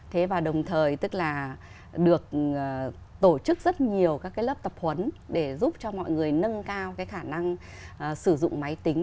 thế và đồng thời tức là được tổ chức rất nhiều các cái lớp tập huấn để giúp cho mọi người nâng cao cái khả năng sử dụng máy tính